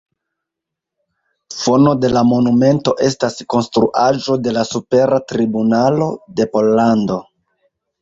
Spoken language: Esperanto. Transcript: Fono de la monumento estas Konstruaĵo de la Supera Tribunalo de Pollando.